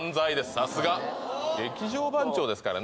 さすが劇場番長ですからね